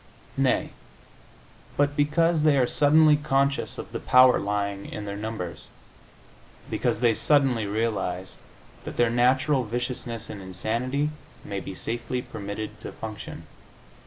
Nay, but because they are suddenly conscious of the power lying in their numbers because they suddenly realize that their natural viciousness and insanity may be safely permitted to function.